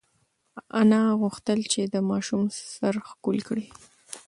انا غوښتل چې د ماشوم سر ښکل کړي.